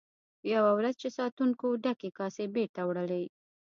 یوه ورځ چې ساتونکو ډکې کاسې بیرته وړلې.